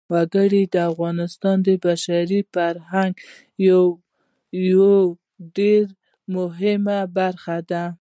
وګړي د افغانستان د بشري فرهنګ یوه ډېره مهمه برخه ده.